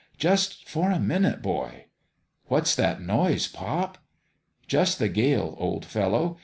" Just for a minute, boy." " What's that noise, pop ?"" Just the gale, old fellow.